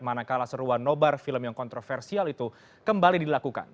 manakala seruan nobar film yang kontroversial itu kembali dilakukan